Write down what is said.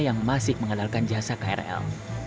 yang masih mengandalkan jasa krl